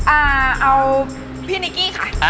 อ่าเอาพี่นิกกี้ค่ะ